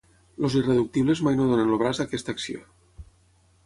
Els irreductibles mai no donen el braç a aquesta acció.